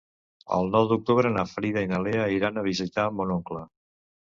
El nou d'octubre na Frida i na Lea iran a visitar mon oncle.